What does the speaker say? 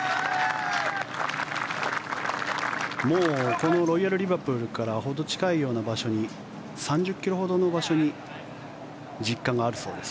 このロイヤル・リバプールからほど近いような場所に３０ｋｍほどの場所に実家があるそうです。